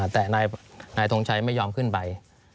แต่นายทงชัยไม่ยอมขึ้นไป